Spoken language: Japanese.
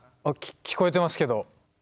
あっ聞こえてますけど。